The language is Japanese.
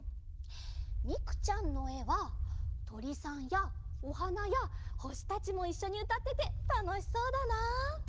みくちゃんのえはとりさんやおはなやほしたちもいっしょにうたっててたのしそうだな。